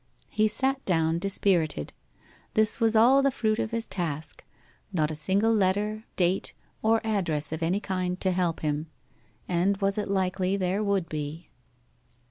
He sat down dispirited. This was all the fruit of his task not a single letter, date, or address of any kind to help him and was it likely there would be?